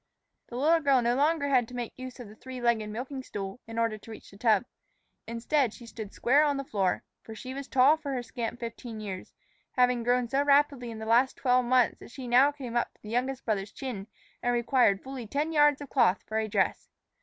The little girl no longer had to make use of a three legged milking stool in order to reach the tub. Instead, she stood square on the floor. For she was tall for her scant fifteen years, having grown so rapidly in the last twelve months that she now came up to the youngest brother's chin, and required fully ten yards of cloth for a dress.